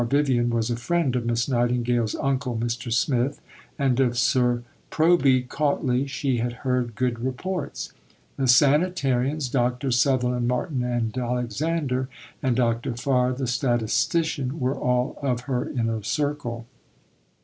Vivian) was a friend of Miss Nightingale's uncle, Mr. Smith; and of Sir Proby Cautley she had heard good reports. The sanitarians Drs. Sutherland, Martin, and Alexander and Dr. Farr, the statistician, were all of her inner circle.